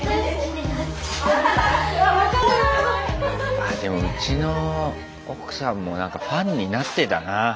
あでもうちの奥さんも何かファンになってたな。